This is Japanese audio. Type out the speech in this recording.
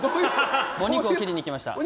お肉を切りに来ました。